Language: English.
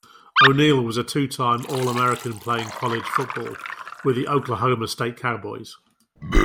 O'Neal was a two-time All-American playing college football with the Oklahoma State Cowboys.